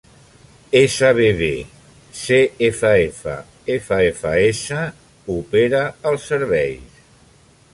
SBB-CFF-FFS opera els serveis.